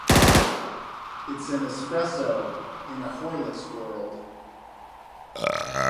It's an espresso in a Horlicks world.